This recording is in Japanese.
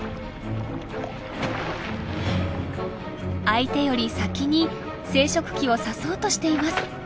相手より先に生殖器を刺そうとしています。